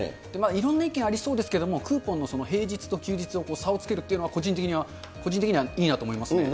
いろんな意見ありそうですけど、クーポンの平日と休日を差をつけるというのは、個人的にはいいなと思いますね。